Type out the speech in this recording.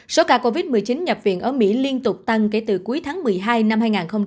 số ca covid một mươi chín nhập viện ở mỹ liên tục tăng kể từ cuối tháng một mươi hai năm hai nghìn hai mươi